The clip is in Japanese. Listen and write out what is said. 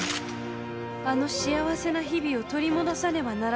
あの幸せな日々を取り戻さねばならぬ。